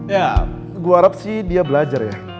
ya gua harap sih dia belajar ya